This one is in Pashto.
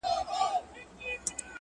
چي ته به يې په کومو صحفو، قتل روا کي.